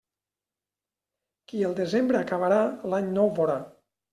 Qui el desembre acabarà, l'Any Nou vorà.